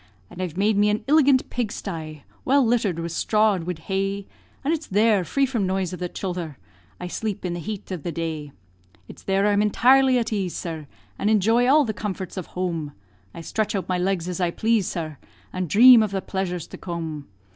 And I've made me an illigant pig sty, Well litter'd wid straw and wid hay; And it's there, free from noise of the chilther, I sleep in the heat of the day. It's there I'm intirely at aise, sir, And enjoy all the comforts of home; I stretch out my legs as I plase, sir, And dhrame of the pleasures to come.